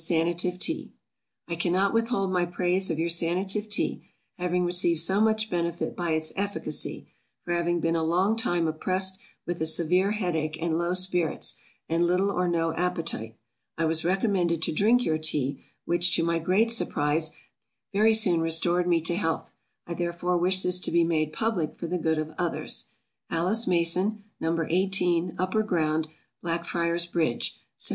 _ SANATIVE TEA. I cannot with hold my praise of your Sanative Tea, having received so much benefit by its efficacy; for having been a long time oppressed with a severe head ache, and low spirits, and little or no appetite, I was recommended to drink your tea, which, to my great surprise, very soon restored me to health; I therefore wish this to be made public for the good of others. ALICE MASON. No. 18, Upper ground, Blackfriars Bridge, Sept.